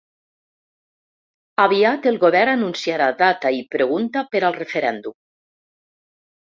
Aviat el govern anunciarà data i pregunta per al referèndum.